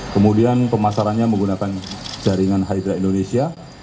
kemudian pemasarannya menggunakan jaringan hydra indonesia